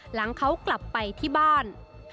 หลังเขากลับไปที่บ้าน